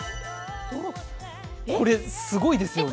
これ、すごいですよね。